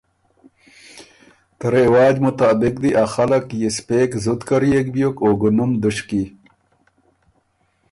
ته رواج مطابق دی ا خلق یِسپېک زُت کرئېک بیوک او ګُونُم دُشکی۔